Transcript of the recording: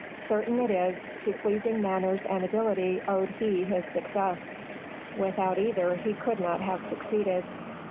Certain it is, to pleasing manners and ability owed he his success; without either he could not have succeeded.